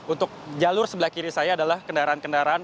untuk jalur sebelah kiri saya adalah kendaraan kendaraan